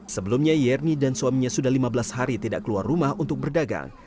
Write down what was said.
sebelumnya yerni dan suaminya sudah lima belas hari tidak keluar rumah untuk berdagang